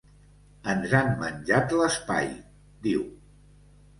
“Ens han menjat l’espai”, diu.